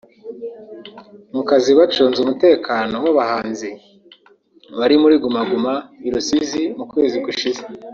mu kazi bacunze umutekano w'abahanzi bari muri Guma Guma i Rusizi mu kwezi gushize